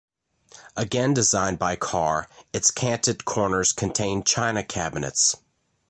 Again designed by Carr, its canted corners contain china cabinets.